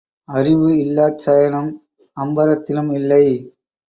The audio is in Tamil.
அறிவு இல்லாச் சயனம் அம்பரத்திலும் இல்லை.